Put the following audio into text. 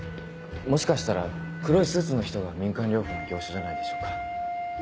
もしかしたら黒いスーツの人が民間療法の業者じゃないでしょうか。